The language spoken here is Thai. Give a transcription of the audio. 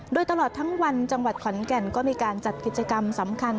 โดยตลอดทั้งวันจังหวัดขอนแก่นก็มีการจัดกิจกรรมสำคัญ